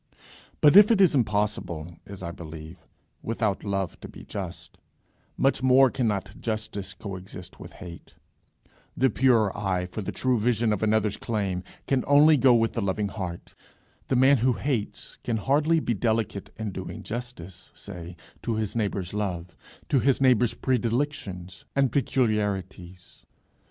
But if it is impossible, as I believe, without love to be just, much more cannot justice co exist with hate. The pure eye for the true vision of another's claims can only go with the loving heart. The man who hates can hardly be delicate in doing justice, say to his neighbour's love, to his neighbour's predilections and peculiarities.